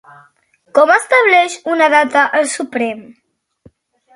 Com estableix una data el Suprem?